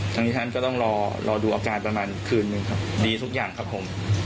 ทั้งที่ท่านก็ต้องรอดูอาการประมาณคืนหนึ่งครับดีทุกอย่างครับผม